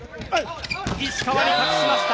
石川に託しました。